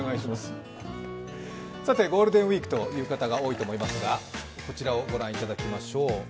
さて、ゴールデンウイークという方が多いかと思いますがこちらを御覧いただきましょう。